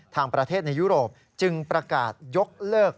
ทางประเทศในยุโรปจึงประกาศยกเลิก